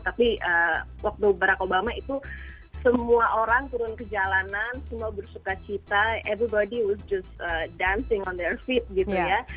tapi waktu barack obama itu semua orang turun ke jalanan semua bersuka cita everybody what just dancing on their feet gitu ya